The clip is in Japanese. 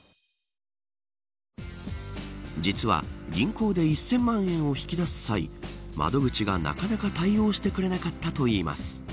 実は、銀行で１０００万円を引き出す際窓口が、なかなか対応してくれなかったといいます。